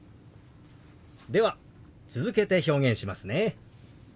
では続けて表現しますね。